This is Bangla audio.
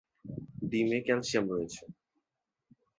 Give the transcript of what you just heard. ডিমে ক্যালসিয়াম রয়েছে।